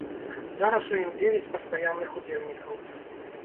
Зараз у ім дзевяць пастаянных удзельнікаў.